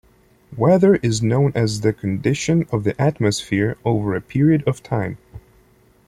Weather is known as the condition of the atmosphere over a period of time.